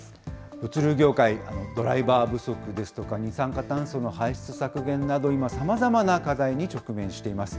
物流業界、ドライバー不足ですとか、二酸化炭素の排出削減など、今、さまざまな課題に直面しています。